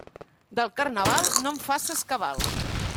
Del Carnaval, no en faces cabal.